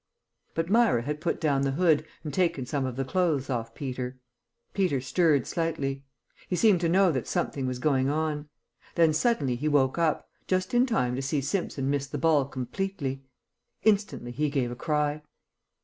But Myra had put down the hood and taken some of the clothes off Peter. Peter stirred slightly. He seemed to know that something was going on. Then suddenly he woke up, just in time to see Simpson miss the ball completely. Instantly he gave a cry.